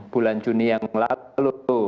bulan juni yang lalu